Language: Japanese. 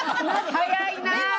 早いなあ。